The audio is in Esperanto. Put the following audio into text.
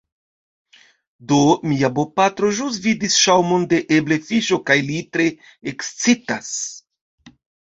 Do, mia bopatro ĵus vidis ŝaŭmon de eble fiŝo kaj li tre ekscitas